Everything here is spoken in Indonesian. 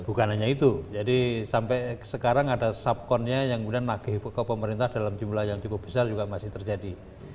bukan hanya itu jadi sampai sekarang ada subkonnya yang kemudian nagih ke pemerintah dalam jumlah yang cukup besar juga masih terjadi